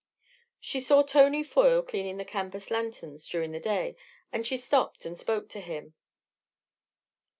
She saw Tony Foyle cleaning the campus lanterns during the day, and she stopped and spoke to him.